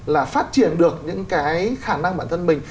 là phát triển được những cái khả năng bản thân mình